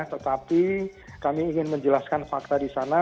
tetapi kami ingin menjelaskan fakta di sana